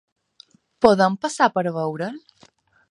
Podem passar per veure el.?